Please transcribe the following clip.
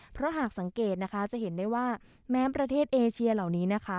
เพราะหากสังเกตนะคะจะเห็นได้ว่าแม้ประเทศเอเชียเหล่านี้นะคะ